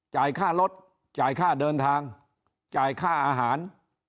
จ่ายค่ารถจ่ายค่าเดินทางจ่ายค่าอาหาร